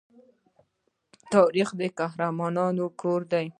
تاریخ د قهرمانانو کور دی.